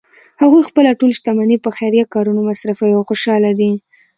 هغوی خپله ټول شتمني په خیریه کارونو مصرفوی او خوشحاله دي